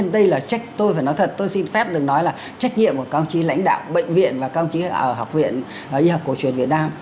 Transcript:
đây là trách tôi phải nói thật tôi xin phép được nói là trách nhiệm của các ông chí lãnh đạo bệnh viện và các ông chí ở học viện y học cổ truyền việt nam